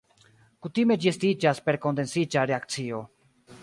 Kutime ĝi estiĝas per kondensiĝa reakcio.